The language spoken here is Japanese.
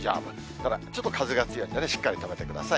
ただちょっと風が強いんでね、しっかり留めてください。